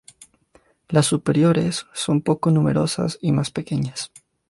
Las superiores son poco numerosas y más pequeñas.